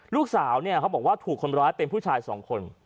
ลูกสาวเนี่ยเขาบอกว่าถูกคนร้ายเป็นผู้ชายสองคน